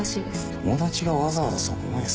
友達がわざわざそこまでする？